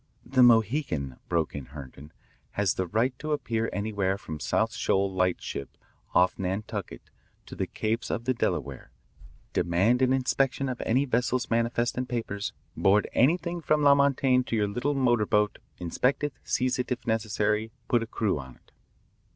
"The Mohican," broke in Herndon, "has the right to appear anywhere from Southshoal Lightship off Nantucket to the capes of the Delaware, demand an inspection of any vessel's manifest and papers, board anything from La Montaigne to your little motor boat, inspect it, seize it, if necessary put a crew on it."